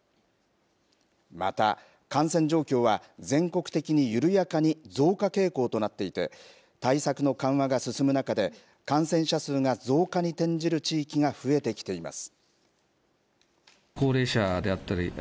また、感染状況は全国的に緩やかに増加傾向となっていて対策の緩和が進む中で感染者数が増加に転じる地域が増えてきています。